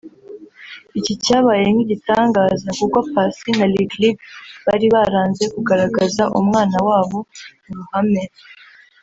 Iki cyabaye nk’igitangaza kuko Paccy na Lick Lick bari baranze kugaragaza umwana wabo mu ruhame